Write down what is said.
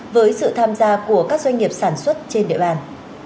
với sự tham gia của các doanh nghiệp sản xuất trên địa bàn